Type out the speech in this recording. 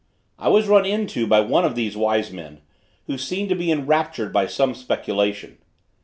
I was run into by one of these wise men, who seemed to be enraptured by some speculation.